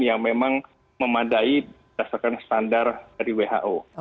yang memang memadai dasarkan standar dari who